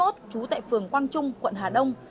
trú tại phường quang trung quận hà đông